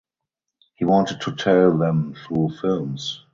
He wanted to tell them through films.